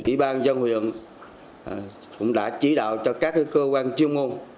kỷ ban dân huyện cũng đã chỉ đạo cho các cơ quan chuyên ngôn